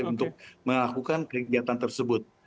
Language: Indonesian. untuk melakukan kegiatan tersebut